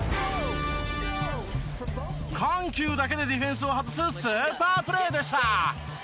緩急だけでディフェンスを外すスーパープレーでした！